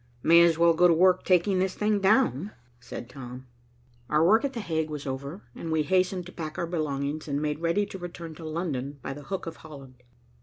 "May as well go to work taking this thing down," said Tom. Our work at The Hague was over, and we hastened to pack our belongings and made ready to return to London by the Hook of Holland.